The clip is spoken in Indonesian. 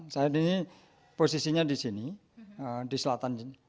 saya ini posisinya di sini di selatan